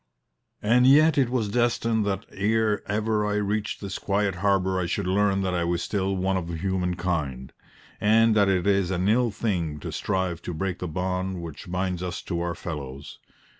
And yet it was destined that ere ever I reached this quiet harbour I should learn that I was still one of humankind, and that it is an ill thing to strive to break the bond which binds us to our fellows.